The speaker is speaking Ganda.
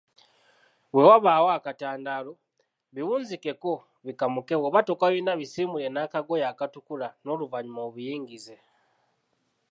Bwe wabaawo akatandaalo, biwunzikeko bikamuke bwoba tokalina bisiimuule nakagoye akatukula noluvanyuma obiyingize